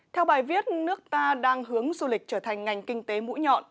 theo bài viết nước ta đang hướng du lịch trở thành ngành kinh tế mũi nhọn